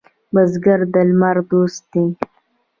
بزګر د لمر دوست دی